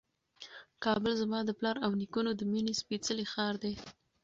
کابل زما د پلار او نیکونو د مېنې سپېڅلی ښار دی.